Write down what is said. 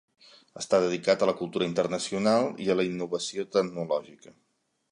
Està dedicat a la cultura internacional i a la innovació tecnològica.